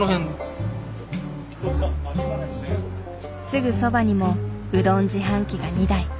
すぐそばにもうどん自販機が２台。